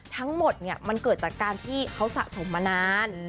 ทั้งหมดมันเกิดจากการที่เขาสะสมมานาน